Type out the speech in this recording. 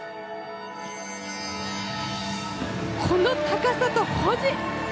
この高さと保持！